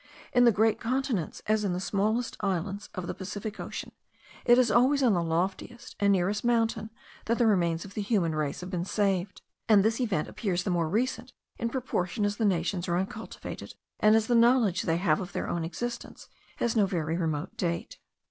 In the great continents, as in the smallest islands of the Pacific Ocean, it is always on the loftiest and nearest mountain that the remains of the human race have been saved; and this event appears the more recent, in proportion as the nations are uncultivated, and as the knowledge they have of their own existence has no very remote date.